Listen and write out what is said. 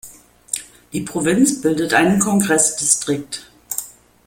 Die Provinz bildet einen Kongress-Distrikt.